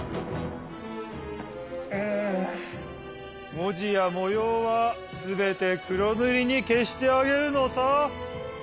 もじやもようはすべてくろぬりにけしてあげるのさ。